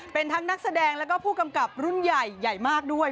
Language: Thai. เป็นทั้งนักแสดงแล้วก็ผู้กำกับรุ่นใหญ่ใหญ่มากด้วย